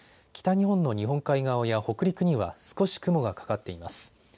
北日本の日本海側や北陸には少し雲がかかっています。